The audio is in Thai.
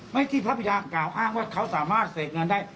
ไม่ใช่ที่พระบิดาเก่าอ้างว่าเขาสามารถเสกเงินได้